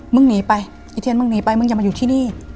มึงหนีไปอีเทียนมึงหนีไปมึงอย่ามาอยู่ที่นี่